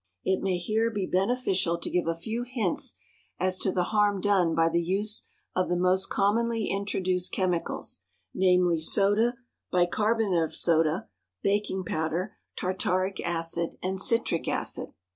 It may here be beneficial to give a few hints as to the harm done by the use of the most commonly introduced chemicals, namely, soda, bicarbonate of soda, baking powder, tartaric acid, and citric acid.